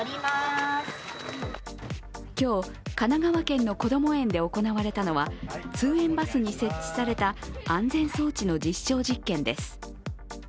今日、神奈川県のこども園で行われたのは、通園バスに設置された安全装置の実証実験です。